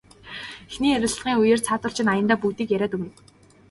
Эхний ярилцлагын үеэр цаадуул чинь аяндаа бүгдийг яриад өгнө.